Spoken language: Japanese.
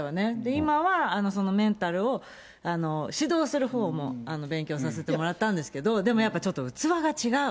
今はメンタルを指導するほうも勉強させてもらったんですけど、でもやっぱ、ちょっと器が違う。